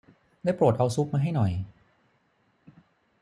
ได้โปรดเอาซุปมาให้หน่อย